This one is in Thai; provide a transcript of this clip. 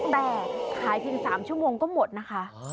แต่ขายเพียง๓ชั่วโมงก็หมดนะคะ